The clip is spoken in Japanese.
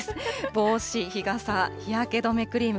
帽子、日傘、日焼け止めクリーム。